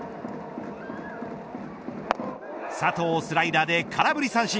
佐藤をスライダーで空振り三振。